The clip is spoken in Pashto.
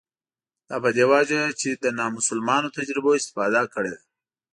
دا په دې وجه چې له نامسلمانو تجربو استفاده کړې ده.